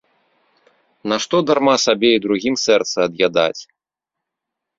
Нашто дарма сабе і другім сэрца ад'ядаць.